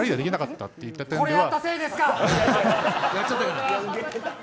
２人でこれやったせいですか。